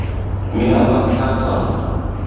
Mi havas katon.